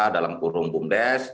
dalam kurung bumdes